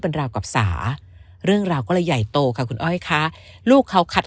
เป็นราวกับสาเรื่องราวก็เลยใหญ่โตค่ะคุณอ้อยค่ะลูกเขาขัด